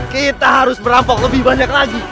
kita harus merampok lebih banyak lagi